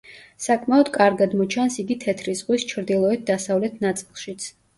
საკმაოდ კარგად მოჩანს იგი თეთრი ზღვის ჩრდილოეთ-დასავლეთ ნაწილშიც.